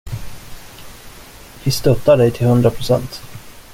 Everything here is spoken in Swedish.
Vi stöttar dig till hundra procent!